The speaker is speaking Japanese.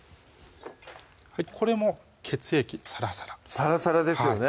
これも血液サラサラサラサラですよね